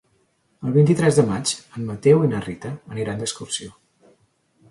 El vint-i-tres de maig en Mateu i na Rita aniran d'excursió.